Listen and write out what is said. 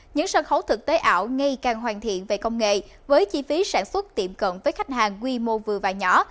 những sân khấu thực tế ảo ngay càng hoàn thiện về công nghệ với chi phí sản xuất tiệm cận với khách hàng quy mô vừa và nhỏ